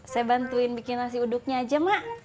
saya bantuin bikin nasi uduknya aja mak